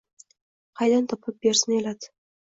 Qaydan topib bersin elat!